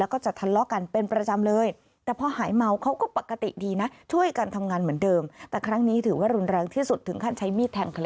ขอบคุณครับ